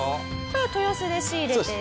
豊洲で仕入れている？